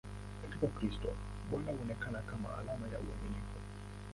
Katika Ukristo, mbwa huonekana kama alama ya uaminifu.